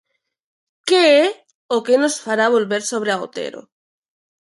Que é o que nos fará volver sobre a Otero?